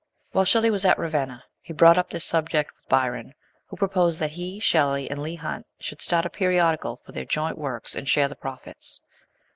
While Shelley was at Ravenna he brought up this subject with Byron, who proposed that he, Shelley, and Leigh Hunt should start a periodical for their joint works, and share the profits.